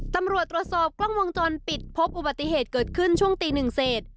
ตำรวจตรวจสอบกล้องวงจรปิดพบอุบัติเหตุเกิดขึ้นช่วงตีหนึ่งเศษ